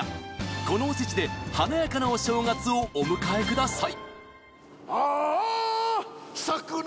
このおせちで華やかなお正月をお迎えください